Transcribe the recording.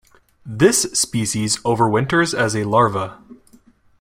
This species overwinters as a larva.